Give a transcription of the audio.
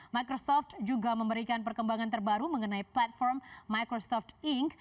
microsoft juga memberikan perkembangan terbaru mengenai platform microsoft inc